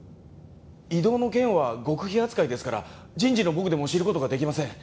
異動の件は極秘扱いですから人事の僕でも知る事ができません。